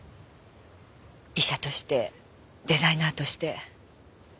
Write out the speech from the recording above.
医者としてデザイナーとして。